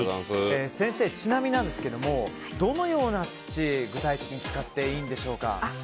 先生、ちなみになんですけれどもどのような土を、具体的に使っていいんでしょうか？